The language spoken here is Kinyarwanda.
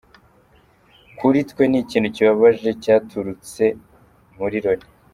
Kuri twe ni ikintu kibabaje cyaturutse muri Loni.